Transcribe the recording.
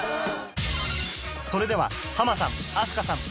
それではハマさん飛鳥さん